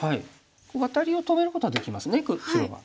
ワタリを止めることはできますね白が。